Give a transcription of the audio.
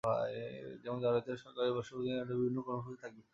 যেমন জানুয়ারিতে সরকারের বর্ষপূর্তিকেন্দ্রিক বিভিন্ন কর্মসূচি থাকবে।